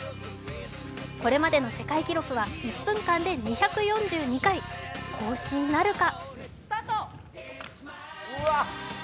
これまでの世界記録は１分間で２４２回、更新なるか。